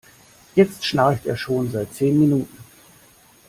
Jetzt schnarcht er schon seit zehn Minuten.